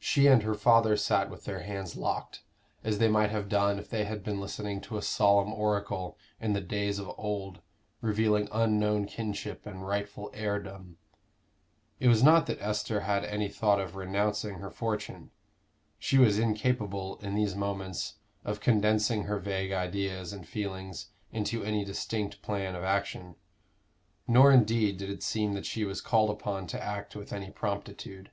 She and her father sat with their hands locked, as they might have done if they had been listening to a solemn oracle in the days of old revealing unknown kinship and rightful heirdom. It was not that Esther had any thought of renouncing her fortune; she was incapable, in these moments, of condensing her vague ideas and feelings into any distinct plan of action, nor indeed did it seem that she was called upon to act with any promptitude.